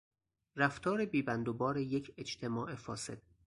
رفتار بیبندوبار یک اجتماع فاسد